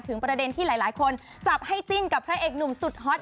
ประเด็นที่หลายคนจับให้จิ้นกับพระเอกหนุ่มสุดฮอต